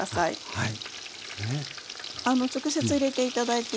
はい。